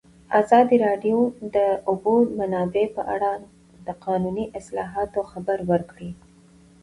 ازادي راډیو د د اوبو منابع په اړه د قانوني اصلاحاتو خبر ورکړی.